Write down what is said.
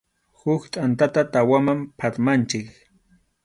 Huk tʼantata tawaman phatmanchik.